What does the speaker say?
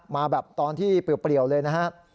มาแบบตอนที่เปรียวเลยนะฮะ